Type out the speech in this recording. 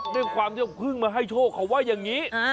เด้นความเป็นพึ่งมาให้โชคเขาว่าอย่างงี้